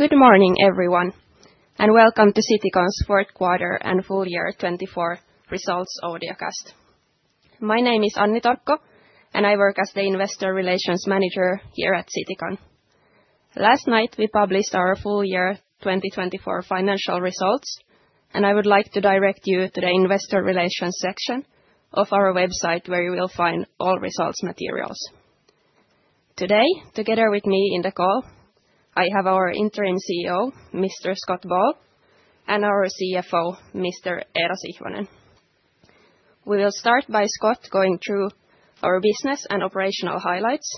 Good morning, everyone, and welcome to Citycon's fourth quarter and full year 2024 results audiocast. My name is Anni Torkko, and I work as the Investor Relations Manager here at Citycon. Last night we published our full year 2024 financial results, and I would like to direct you to the Investor Relations section of our website where you will find all results materials. Today, together with me in the call, I have our interim CEO, Mr. Scott Ball, and our CFO, Mr. Eero Sihvonen. We will start by Scott going through our business and operational highlights,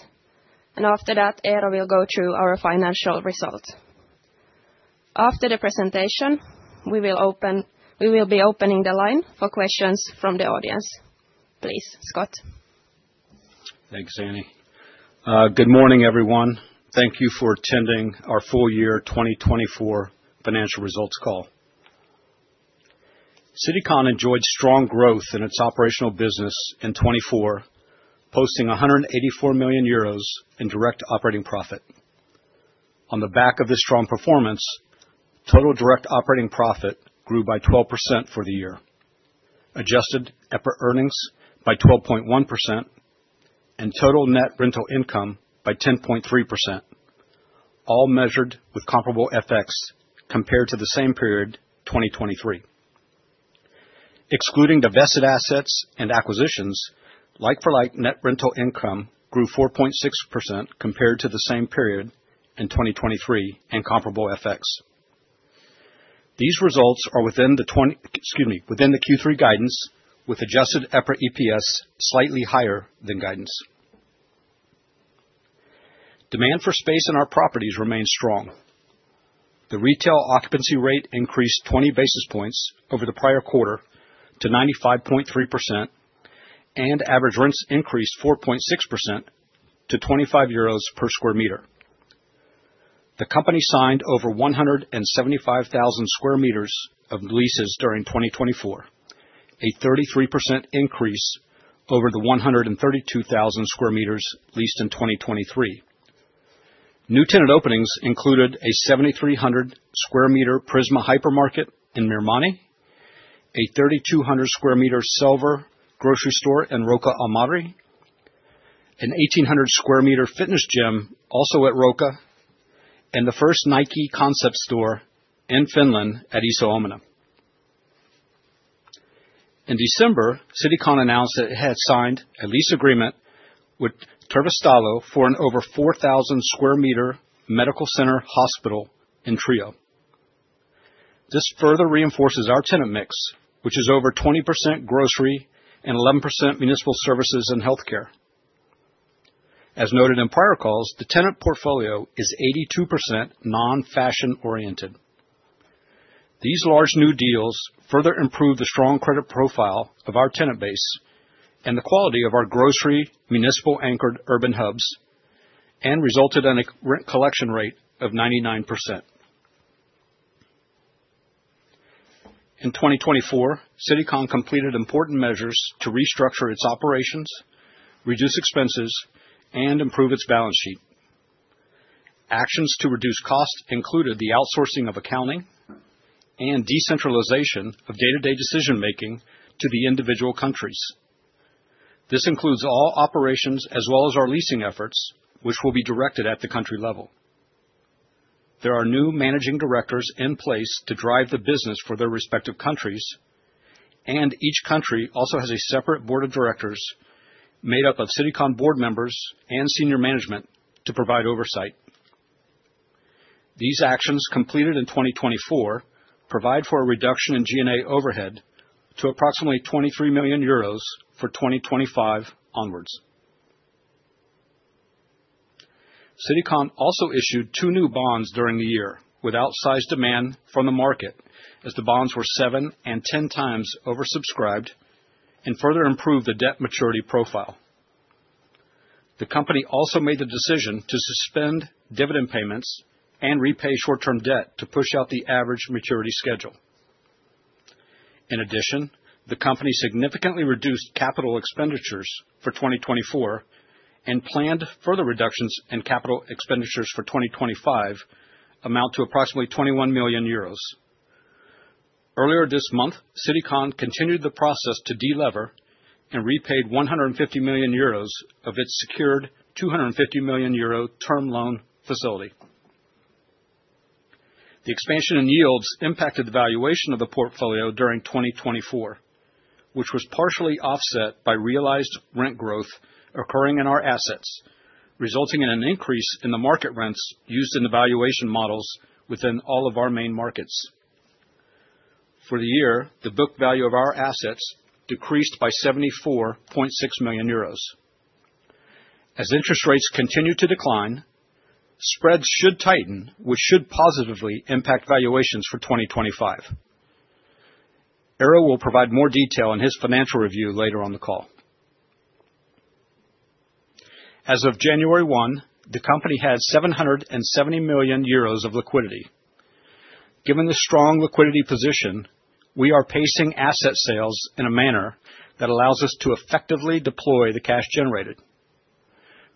and after that, Eero will go through our financial results. After the presentation, we will be opening the line for questions from the audience. Please, Scott. Thanks, Anni. Good morning, everyone. Thank you for attending our full year 2024 financial results call. Citycon enjoyed strong growth in its operational business in 2024, posting 184 million euros in direct operating profit. On the back of this strong performance, total direct operating profit grew by 12% for the year, adjusted EPRA earnings by 12.1%, and total net rental income by 10.3%, all measured with comparable FX compared to the same period 2023. Excluding divested assets and acquisitions, like-for-like net rental income grew 4.6% compared to the same period in 2023 and comparable FX. These results are within the Q3 guidance, with adjusted EPRA EPS slightly higher than guidance. Demand for space in our properties remains strong. The retail occupancy rate increased 20 basis points over the prior quarter to 95.3%, and average rents increased 4.6% to 25 euros per square meter. The company signed over 175,000 sq m of leases during 2024, a 33% increase over the 132,000 sq m leased in 2023. New tenant openings included a 7,300 sq m Prisma hypermarket in Myyrmanni, a 3,200 sq m Selver grocery store in Rocca al Mare, a 1,800 sq m fitness gym also at Rocca al Mare, and the first Nike concept store in Finland at Iso Omena. In December, Citycon announced that it had signed a lease agreement with Terveystalo for an over 4,000 sq m medical center/hospital in Trio. This further reinforces our tenant mix, which is over 20% grocery and 11% municipal services and healthcare. As noted in prior calls, the tenant portfolio is 82% non-fashion oriented. These large new deals further improved the strong credit profile of our tenant base and the quality of our grocery municipal anchored urban hubs, and resulted in a rent collection rate of 99%. In 2024, Citycon completed important measures to restructure its operations, reduce expenses, and improve its balance sheet. Actions to reduce costs included the outsourcing of accounting and decentralization of day-to-day decision-making to the individual countries. This includes all operations as well as our leasing efforts, which will be directed at the country level. There are new managing directors in place to drive the business for their respective countries, and each country also has a separate board of directors made up of Citycon board members and senior management to provide oversight. These actions completed in 2024 provide for a reduction in G&A overhead to approximately 23 million euros for 2025 onwards. Citycon also issued two new bonds during the year with outsized demand from the market, as the bonds were seven and ten times oversubscribed, and further improved the debt maturity profile. The company also made the decision to suspend dividend payments and repay short-term debt to push out the average maturity schedule. In addition, the company significantly reduced capital expenditures for 2024 and planned further reductions in capital expenditures for 2025 amount to approximately 21 million euros. Earlier this month, Citycon continued the process to de-lever and repaid 150 million euros of its secured 250 million euro term loan facility. The expansion in yields impacted the valuation of the portfolio during 2024, which was partially offset by realized rent growth occurring in our assets, resulting in an increase in the market rents used in the valuation models within all of our main markets. For the year, the book value of our assets decreased by 74.6 million euros. As interest rates continue to decline, spreads should tighten, which should positively impact valuations for 2025. Eero will provide more detail in his financial review later on the call. As of January 1, the company had 770 million euros of liquidity. Given the strong liquidity position, we are pacing asset sales in a manner that allows us to effectively deploy the cash generated.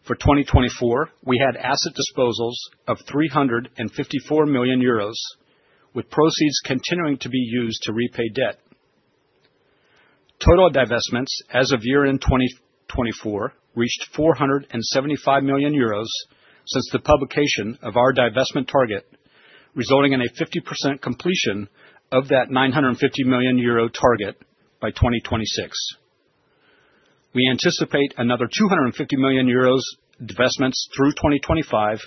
For 2024, we had asset disposals of 354 million euros, with proceeds continuing to be used to repay debt. Total divestments as of year-end in 2024 reached 475 million euros since the publication of our divestment target, resulting in a 50% completion of that 950 million euro target by 2026. We anticipate another 250 million euros divestments through 2025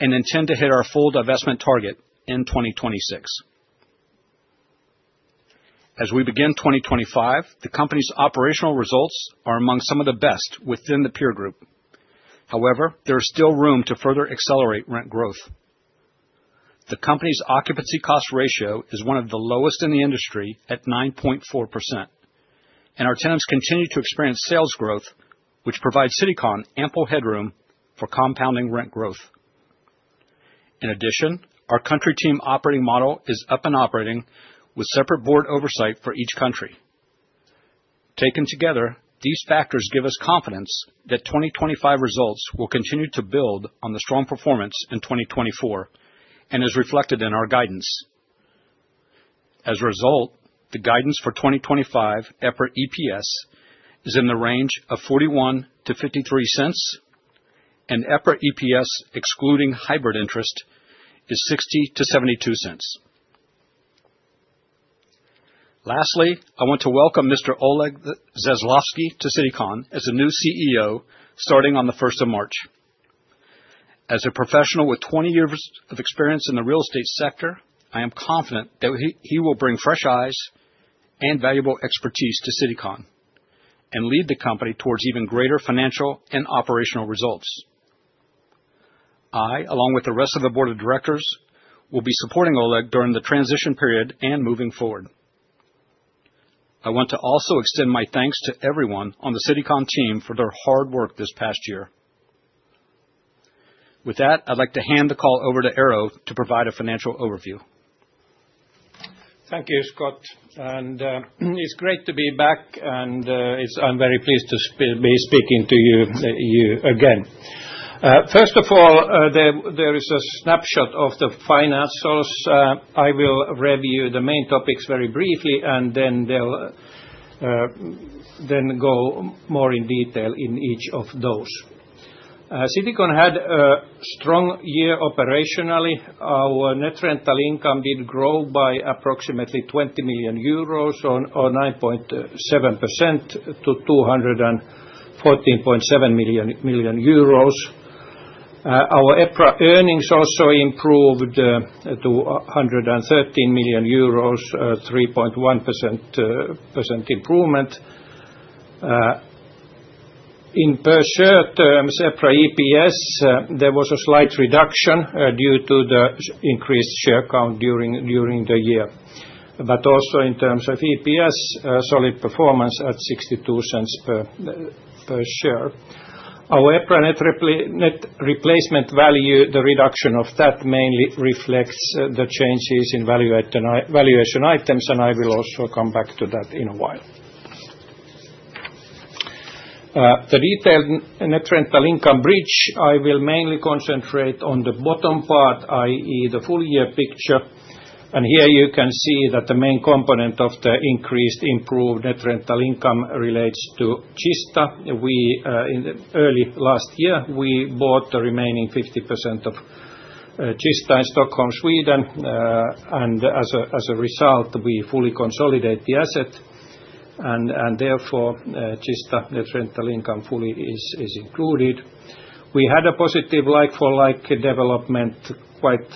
and intend to hit our full divestment target in 2026. As we begin 2025, the company's operational results are among some of the best within the peer group. However, there is still room to further accelerate rent growth. The company's occupancy cost ratio is one of the lowest in the industry at 9.4%, and our tenants continue to experience sales growth, which provides Citycon ample headroom for compounding rent growth. In addition, our country team operating model is up and operating with separate board oversight for each country. Taken together, these factors give us confidence that 2025 results will continue to build on the strong performance in 2024 and is reflected in our guidance. As a result, the guidance for 2025 EPRA EPS is in the range of 0.41-0.53, and EPRA EPS excluding hybrid interest is 0.60-0.72. Lastly, I want to welcome Mr. Oleg Zaslavsky to Citycon as a new CEO starting on the 1st of March. As a professional with 20 years of experience in the real estate sector, I am confident that he will bring fresh eyes and valuable expertise to Citycon and lead the company towards even greater financial and operational results. I, along with the rest of the board of directors, will be supporting Oleg during the transition period and moving forward. I want to also extend my thanks to everyone on the Citycon team for their hard work this past year. With that, I'd like to hand the call over to Eero to provide a financial overview. Thank you, Scott. And it's great to be back, and I'm very pleased to be speaking to you again. First of all, there is a snapshot of the financials. I will review the main topics very briefly, and then go more in detail in each of those. Citycon had a strong year operationally. Our net rental income did grow by approximately 20 million euros, or 9.7%, to 214.7 million euros. Our EPRA earnings also improved to 113 million euros, 3.1% improvement. In per-share terms, EPRA EPS, there was a slight reduction due to the increased share count during the year, but also in terms of EPS, solid performance at 0.62 per share. Our EPRA net reinstatement value, the reduction of that mainly reflects the changes in valuation items, and I will also come back to that in a while. The detailed net rental income bridge. I will mainly concentrate on the bottom part, i.e., the full year picture. And here you can see that the main component of the increased improved net rental income relates to Kista. In early last year, we bought the remaining 50% of Kista in Stockholm, Sweden, and as a result, we fully consolidated the asset, and therefore Kista net rental income fully is included. We had a positive like-for-like development quite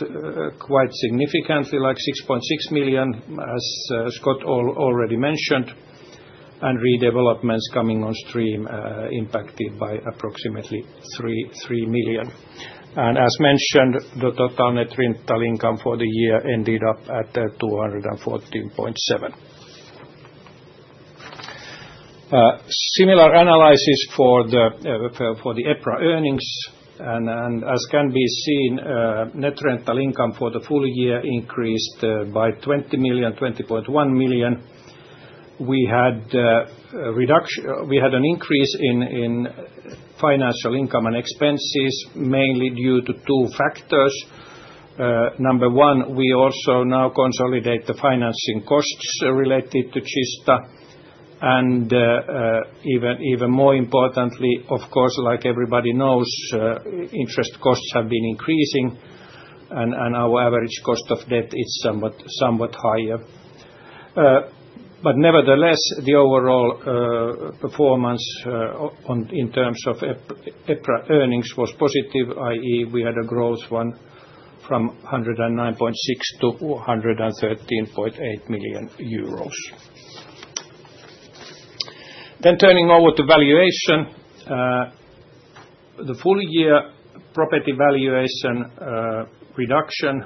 significantly, like 6.6 million, as Scott already mentioned, and redevelopments coming on stream impacted by approximately 3 million. And as mentioned, the total net rental income for the year ended up at 214.7 million. Similar analysis for the EPRA earnings, and as can be seen, net rental income for the full year increased by 20 million, 20.1 million. We had an increase in financial income and expenses, mainly due to two factors. Number one, we also now consolidate the financing costs related to Kista, and even more importantly, of course, like everybody knows, interest costs have been increasing, and our average cost of debt is somewhat higher. But nevertheless, the overall performance in terms of EPRA earnings was positive, i.e., we had a growth from 109.6 million euros to 113.8 million euros. Then turning over to valuation, the full year property valuation reduction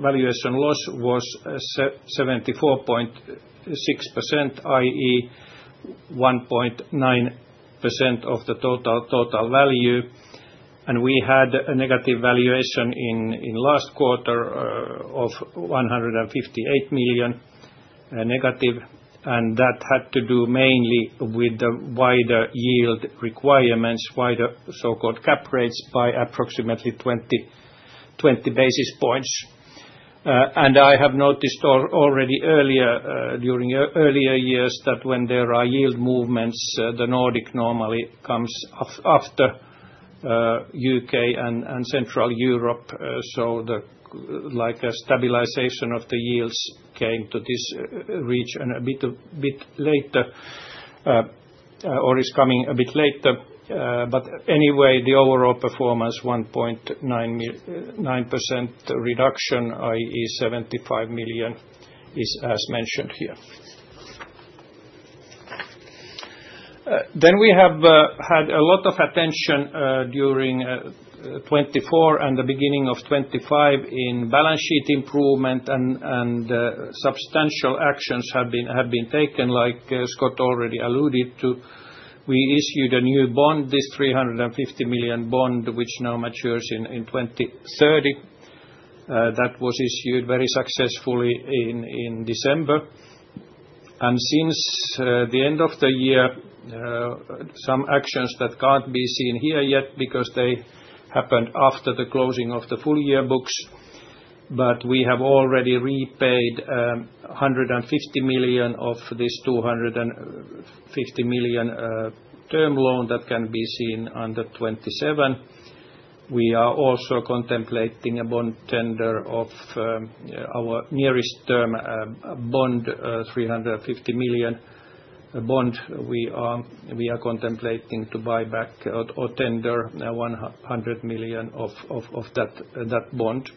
valuation loss was 74.6%, i.e., 1.9% of the total value, and we had a negative valuation in last quarter of negative 158 million, and that had to do mainly with the wider yield requirements, wider so-called cap rates by approximately 20 basis points. I have noticed already earlier during earlier years that when there are yield movements, the Nordic normally comes after UK and Central Europe, so like a stabilization of the yields came to this reach a bit later or is coming a bit later. Anyway, the overall performance, 1.9% reduction, i.e., 75 million, is as mentioned here. We have had a lot of attention during 2024 and the beginning of 2025 in balance sheet improvement, and substantial actions have been taken, like Scott already alluded to. We issued a new bond, this 350 million bond, which now matures in 2030. That was issued very successfully in December. Since the end of the year, some actions that can't be seen here yet because they happened after the closing of the full year books, but we have already repaid 150 million of this 250 million term loan that can be seen under 2027. We are also contemplating a bond tender of our nearest term bond, 350 million bond. We are contemplating to buy back or tender 100 million of that bond.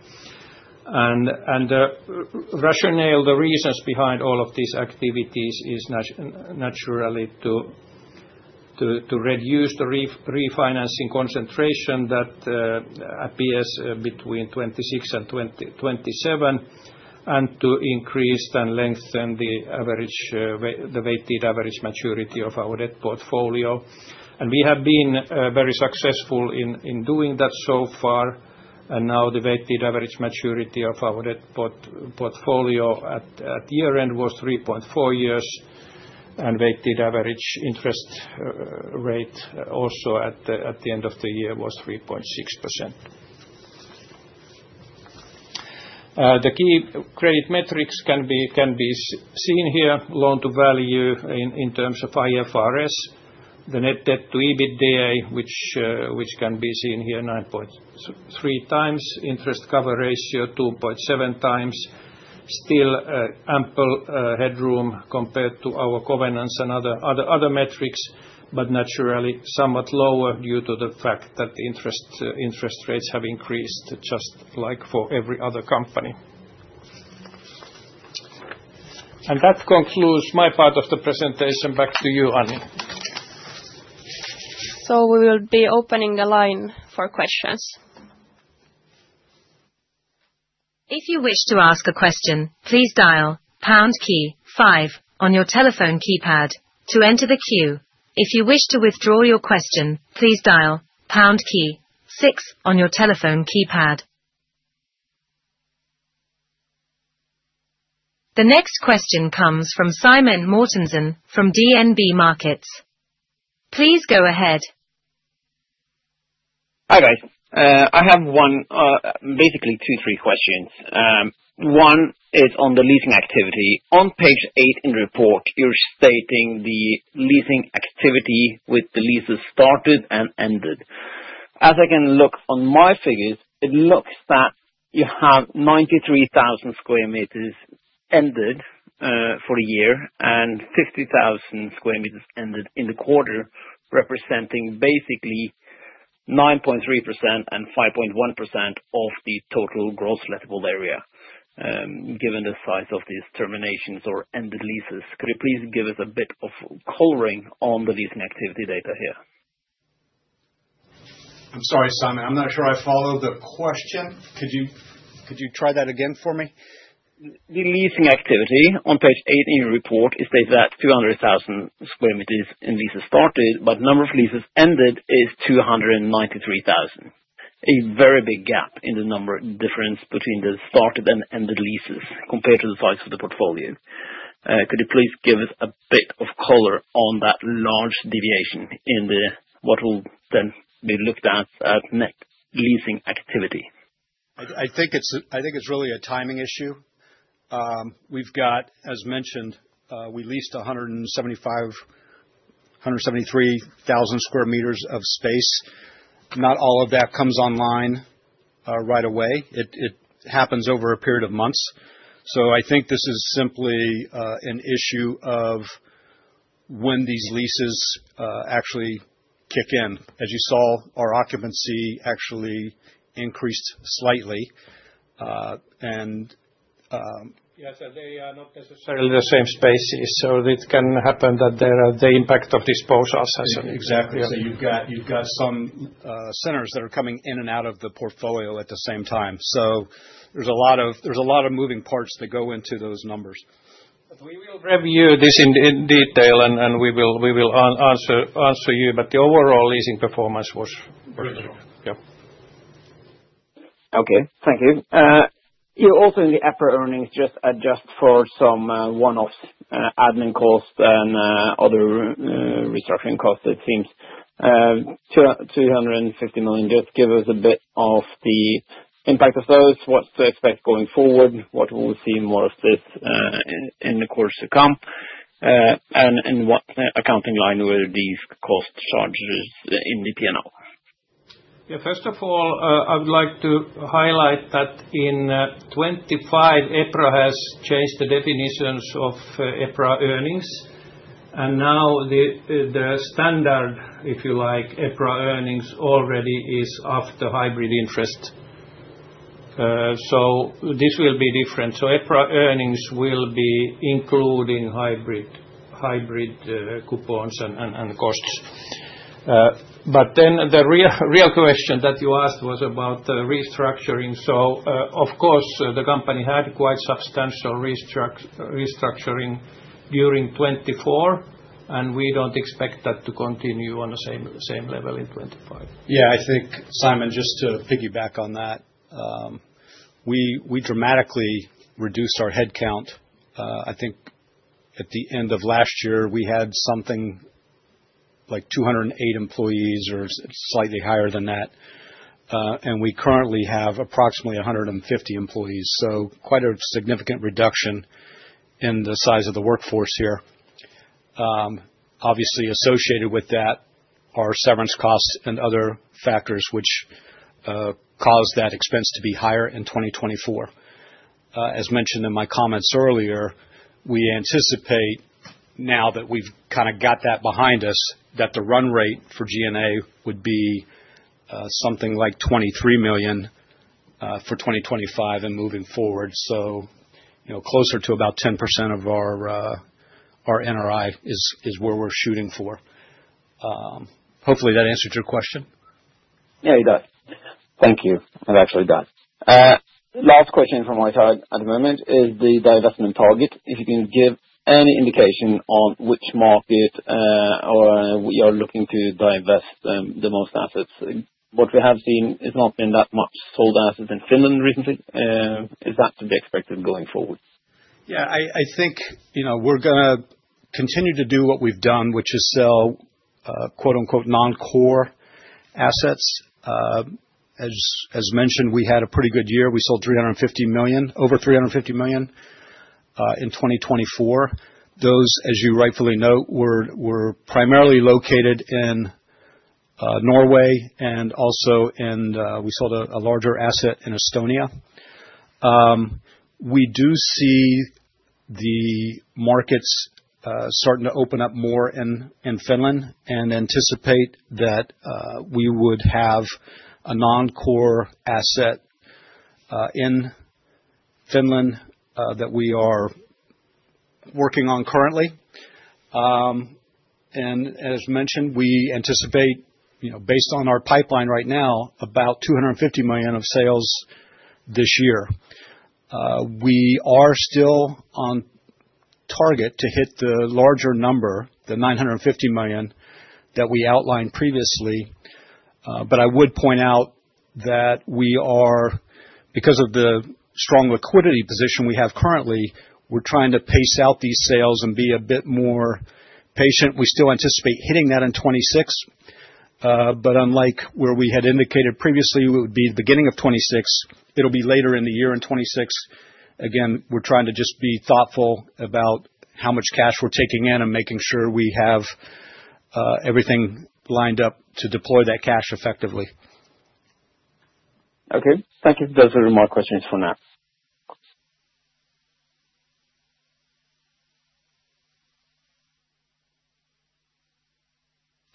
Rationally, the reasons behind all of these activities is naturally to reduce the refinancing concentration that appears between 2026 and 2027 and to increase and lengthen the weighted average maturity of our debt portfolio. We have been very successful in doing that so far, and now the weighted average maturity of our debt portfolio at year end was 3.4 years, and weighted average interest rate also at the end of the year was 3.6%. The key credit metrics can be seen here, loan to value in terms of IFRS, the net debt to EBITDA, which can be seen here, 9.3 times, interest cover ratio, 2.7 times, still ample headroom compared to our covenants and other metrics, but naturally somewhat lower due to the fact that interest rates have increased just like for every other company. And that concludes my part of the presentation. Back to you, Anni. So we will be opening the line for questions. If you wish to ask a question, please dial pound key five on your telephone keypad to enter the queue. If you wish to withdraw your question, please dial pound key six on your telephone keypad. The next question comes from Simen Mortensen from DNB Markets. Please go ahead. Hi guys. I have one, basically two, three questions. One is on the leasing activity. On page eight in the report, you're stating the leasing activity with the leases started and ended. As I can look on my figures, it looks that you have 93,000 sq m ended for the year and 50,000 sq m ended in the quarter, representing basically 9.3% and 5.1% of the total gross lettable area, given the size of these terminations or ended leases. Could you please give us a bit of coloring on the leasing activity data here? I'm sorry, Simon. I'm not sure I followed the question. Could you try that again for me? The leasing activity on page eight in your report is stated that 200,000 square meters in leases started, but the number of leases ended is 293,000. A very big gap in the number difference between the started and ended leases compared to the size of the portfolio. Could you please give us a bit of color on that large deviation in what will then be looked at as net leasing activity? I think it's really a timing issue. We've got, as mentioned, we leased 175, 173,000 square meters of space. Not all of that comes online right away. It happens over a period of months. So I think this is simply an issue of when these leases actually kick in. As you saw, our occupancy actually increased slightly. And. Yes, and they are not necessarily the same spaces, so it can happen that they're the impact of disposals. Exactly. So you've got some centers that are coming in and out of the portfolio at the same time. So there's a lot of moving parts that go into those numbers. We will review this in detail, and we will answer you, but the overall leasing performance was very good. Okay. Thank you. You're also in the EPRA earnings, just for some one-off admin costs and other restructuring costs, it seems. 250 million, just give us a bit of the impact of those, what's to expect going forward, what will we see more of this in the quarters to come, and what accounting line were these cost charges in the P&L? Yeah. First of all, I would like to highlight that in 2025, EPRA has changed the definitions of EPRA earnings, and now the standard, if you like, EPRA earnings already is after hybrid interest. So this will be different. So EPRA earnings will be including hybrid coupons and costs. But then the real question that you asked was about the restructuring. So of course, the company had quite substantial restructuring during 2024, and we don't expect that to continue on the same level in 2025. Yeah. I think, Simon, just to piggyback on that, we dramatically reduced our headcount. I think at the end of last year, we had something like 208 employees or slightly higher than that, and we currently have approximately 150 employees. So quite a significant reduction in the size of the workforce here. Obviously, associated with that are severance costs and other factors which caused that expense to be higher in 2024. As mentioned in my comments earlier, we anticipate now that we've kind of got that behind us that the run rate for G&A would be something like 23 million for 2025 and moving forward. So closer to about 10% of our NRI is where we're shooting for. Hopefully, that answered your question. Yeah, it does. Thank you. It actually does. Last question from my side at the moment is the divestment target. If you can give any indication on which market you're looking to divest the most assets? What we have seen has not been that much sold assets in Finland recently? Is that to be expected going forward? Yeah. I think we're going to continue to do what we've done, which is sell "non-core" assets. As mentioned, we had a pretty good year. We sold over 350 million in 2024. Those, as you rightfully note, were primarily located in Norway, and also we sold a larger asset in Estonia. We do see the markets starting to open up more in Finland and anticipate that we would have a non-core asset in Finland that we are working on currently. And as mentioned, we anticipate, based on our pipeline right now, about 250 million of sales this year. We are still on target to hit the larger number, the 950 million that we outlined previously, but I would point out that because of the strong liquidity position we have currently, we're trying to pace out these sales and be a bit more patient. We still anticipate hitting that in 2026, but unlike where we had indicated previously, it would be the beginning of 2026. It'll be later in the year in 2026. Again, we're trying to just be thoughtful about how much cash we're taking in and making sure we have everything lined up to deploy that cash effectively. Okay. Thank you. Those are my questions for now.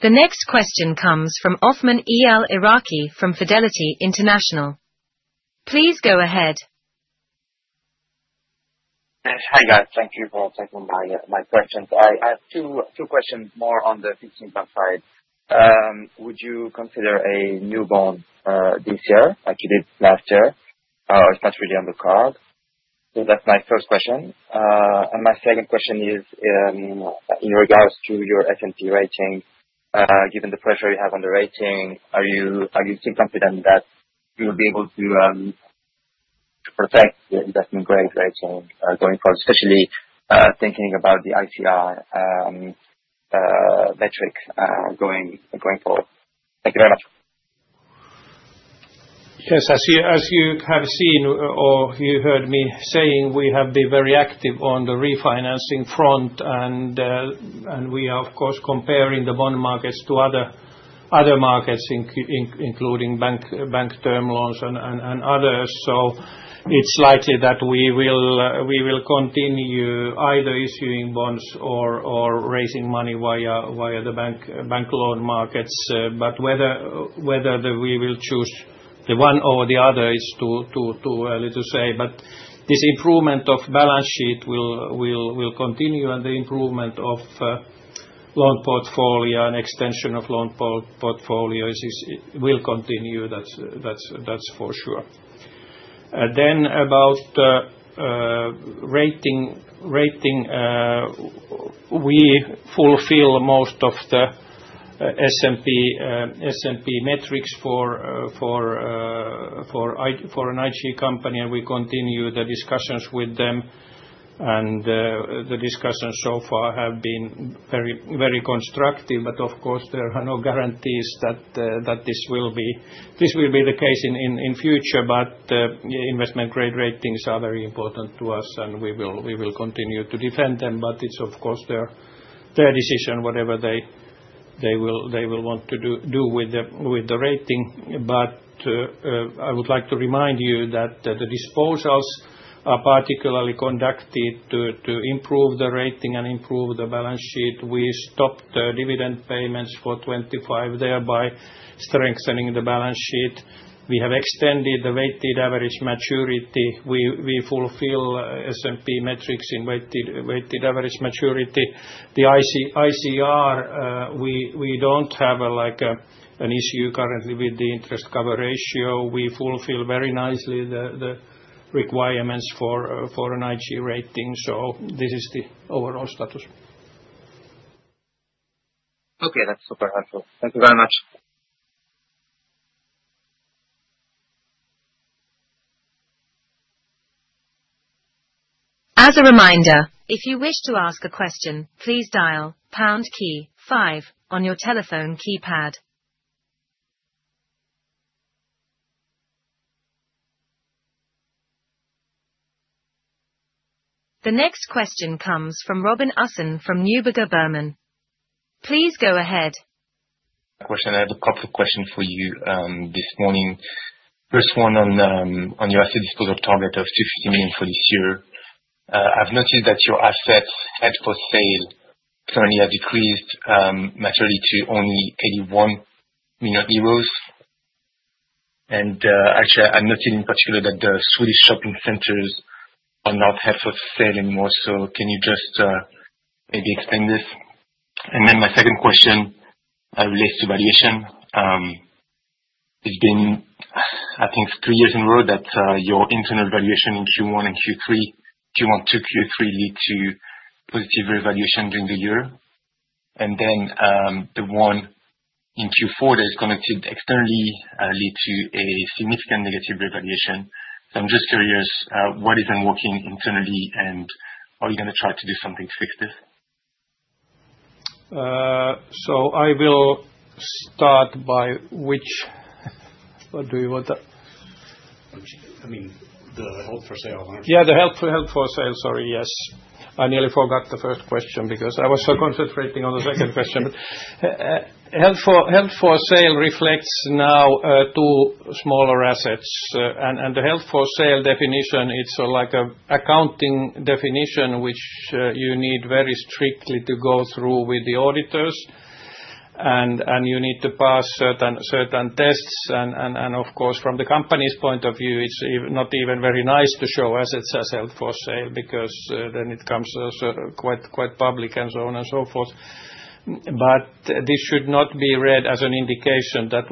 The next question comes from Othman El Iraki from Fidelity International. Please go ahead. Hi guys. Thank you for taking my questions. I have two questions more on the fixed income side. Would you consider a new bond this year like you did last year? It's not really on the cards. So that's my first question. And my second question is in regards to your S&P rating, given the pressure you have on the rating, are you still confident that you'll be able to protect the investment grade rating going forward, especially thinking about the ICR metrics going forward? Thank you very much. Yes. As you have seen or you heard me saying, we have been very active on the refinancing front, and we are, of course, comparing the bond markets to other markets, including bank term loans and others. So it's likely that we will continue either issuing bonds or raising money via the bank loan markets. But whether we will choose the one or the other is too early to say, but this improvement of balance sheet will continue, and the improvement of loan portfolio and extension of loan portfolios will continue. That's for sure. And then about rating, we fulfill most of the S&P metrics for an IG company, and we continue the discussions with them. And the discussions so far have been very constructive, but of course, there are no guarantees that this will be the case in future. Investment Grade ratings are very important to us, and we will continue to defend them, but it's, of course, their decision, whatever they will want to do with the rating. But I would like to remind you that the disposals are particularly conducted to improve the rating and improve the balance sheet. We stopped dividend payments for 2025, thereby strengthening the balance sheet. We have extended the weighted average maturity. We fulfill S&P metrics in weighted average maturity. The ICR, we don't have an issue currently with the interest cover ratio. We fulfill very nicely the requirements for an IG rating. So this is the overall status. Okay. That's super helpful. Thank you very much. As a reminder, if you wish to ask a question, please dial pound key five on your telephone keypad. The next question comes from Robin Usson from Neuberger Berman. Please go ahead. Question: I had a couple of questions for you this morning. First one on your asset disposal target of 250 million for this year. I've noticed that your assets held for sale currently have decreased materially to only 81 million euros, and actually, I'm noticing in particular that the Swedish shopping centers are not held for sale anymore. So can you just maybe explain this, and then my second question relates to valuation. It's been, I think, three years in a row that your internal valuation in Q1 and Q3, Q1 to Q3, led to positive revaluation during the year, and then the one in Q4 that is conducted externally led to a significant negative revaluation. So I'm just curious, what isn't working internally, and are you going to try to do something to fix this? So I will start by which? What do you want? I mean, the head for sale, aren't you? Yeah, the held for sale. Sorry. Yes. I nearly forgot the first question because I was so concentrating on the second question. Held for sale reflects now two smaller assets. And the held for sale definition, it's like an accounting definition which you need very strictly to go through with the auditors, and you need to pass certain tests. And of course, from the company's point of view, it's not even very nice to show assets as held for sale because then it comes quite public and so on and so forth. But this should not be read as an indication that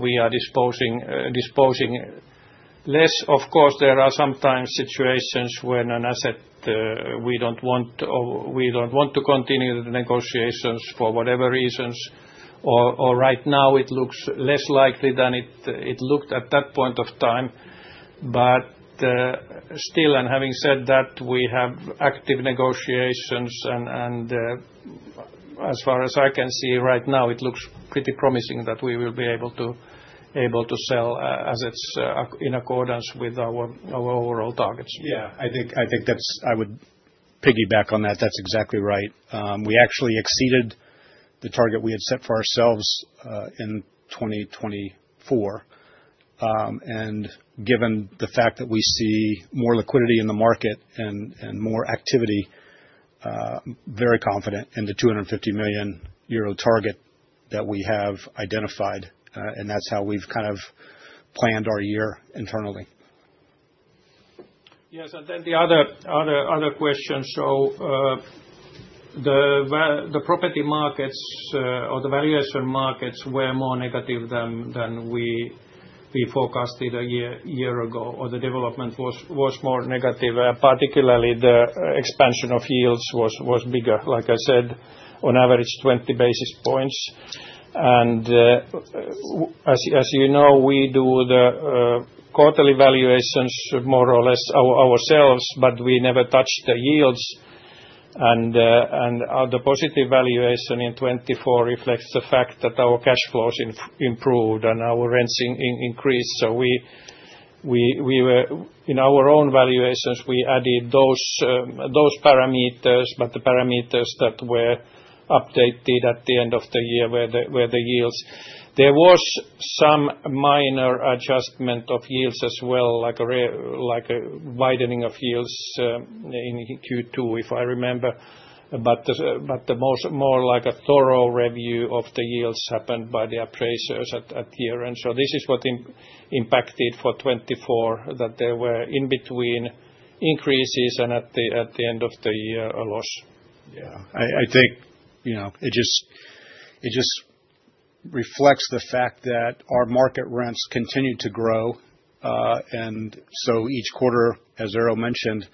we are disposing less. Of course, there are sometimes situations when an asset we don't want to continue the negotiations for whatever reasons, or right now it looks less likely than it looked at that point of time. But still, and having said that, we have active negotiations, and as far as I can see right now, it looks pretty promising that we will be able to sell assets in accordance with our overall targets. Yeah. I think I would piggyback on that. That's exactly right. We actually exceeded the target we had set for ourselves in 2024, and given the fact that we see more liquidity in the market and more activity, I'm very confident in the 250 million euro target that we have identified, and that's how we've kind of planned our year internally. Yes. And then the other question. So the property markets or the valuation markets were more negative than we forecasted a year ago, or the development was more negative. Particularly, the expansion of yields was bigger, like I said, on average 20 basis points. And as you know, we do the quarterly valuations more or less ourselves, but we never touched the yields. And the positive valuation in 2024 reflects the fact that our cash flows improved and our rents increased. So in our own valuations, we added those parameters, but the parameters that were updated at the end of the year were the yields. There was some minor adjustment of yields as well, like a widening of yields in Q2, if I remember, but more like a thorough review of the yields happened by the appraisers at year. And so this is what impacted for 2024, that there were in-between increases and at the end of the year a loss. Yeah. I think it just reflects the fact that our market rents continue to grow, and so each quarter, as Eero mentioned,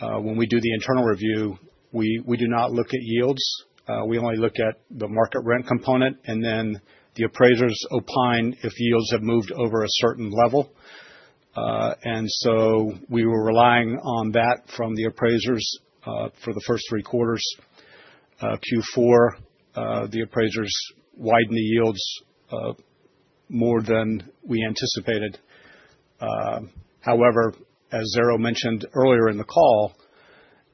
when we do the internal review, we do not look at yields. We only look at the market rent component, and then the appraisers opine if yields have moved over a certain level, and so we were relying on that from the appraisers for the first three quarters. Q4, the appraisers widened the yields more than we anticipated. However, as Eero mentioned earlier in the call,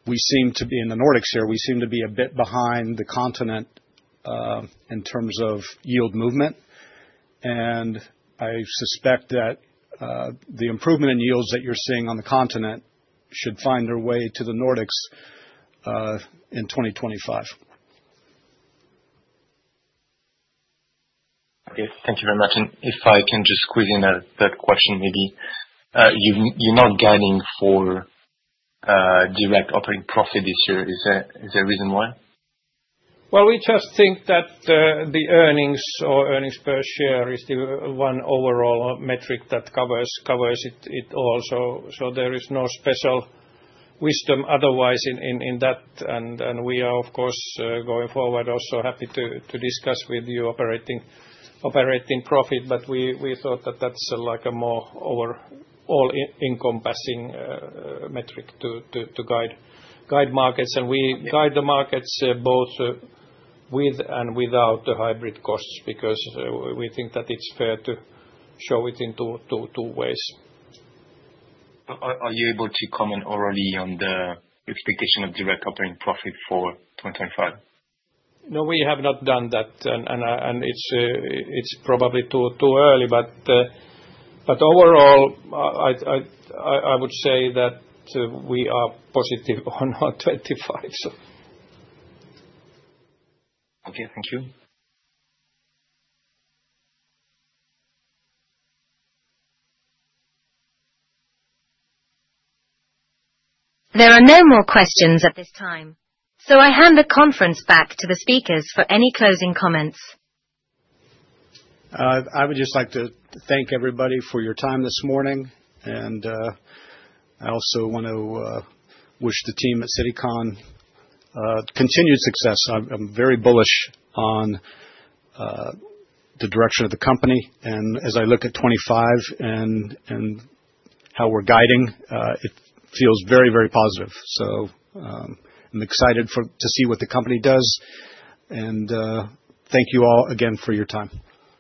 we seem to be in the Nordics here. We seem to be a bit behind the continent in terms of yield movement, and I suspect that the improvement in yields that you're seeing on the continent should find their way to the Nordics in 2025. Okay. Thank you very much. And if I can just squeeze in a third question, maybe. You're not guiding for direct operating profit this year. Is there a reason why? Well, we just think that the earnings or earnings per share is the one overall metric that covers it all. So there is no special wisdom otherwise in that. And we are, of course, going forward also happy to discuss with you operating profit, but we thought that that's a more all-encompassing metric to guide markets. And we guide the markets both with and without the hybrid costs because we think that it's fair to show it in two ways. Are you able to comment orally on the expectation of direct operating profit for 2025? No, we have not done that, and it's probably too early, but overall, I would say that we are positive on 2025. Okay. Thank you. There are no more questions at this time. So I hand the conference back to the speakers for any closing comments. I would just like to thank everybody for your time this morning, and I also want to wish the team at Citycon continued success. I'm very bullish on the direction of the company, and as I look at 2025 and how we're guiding, it feels very, very positive, so I'm excited to see what the company does, and thank you all again for your time.